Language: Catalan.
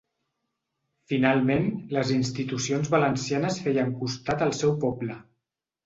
Finalment les institucions valencianes feien costat al seu poble.